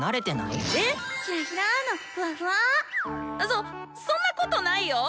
そそんなことないよ。